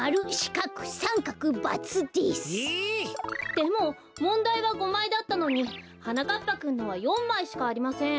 でももんだいは５まいだったのにはなかっぱくんのは４まいしかありません。